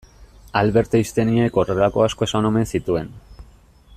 Albert Einsteinek horrelako asko esan omen zituen.